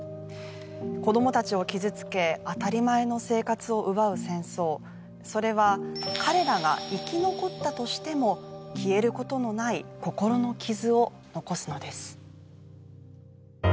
子どもたちを傷つけ当たり前の生活を奪う戦争それは彼らが生き残ったとしても消えることのない心の傷を残すのです